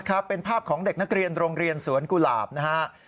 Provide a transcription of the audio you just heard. ครับเป็นภาพของเด็กนักเรียนโรงเรียนสวนกุหลาบนะฮะ